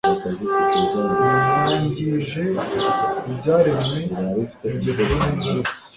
Mwangije ibyaremwe mugerwaho ningaruka